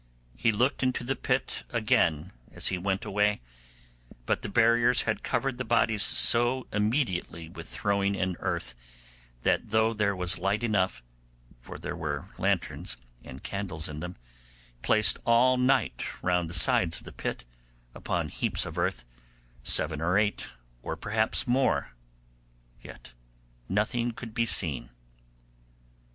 He looked into the pit again as he went away, but the buriers had covered the bodies so immediately with throwing in earth, that though there was light enough, for there were lanterns, and candles in them, placed all night round the sides of the pit, upon heaps of earth, seven or eight, or perhaps more, yet nothing could be seen.